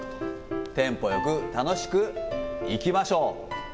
テンポよく楽しくいきましょう。